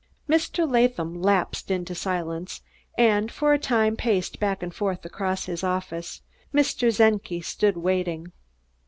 Mr. Latham lapsed into silence, and for a time paced back and forth across his office; Mr. Czenki stood waiting.